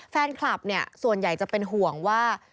แฟนคลับเนี่ยส่วนใหญ่จะเป็นห่วงว่า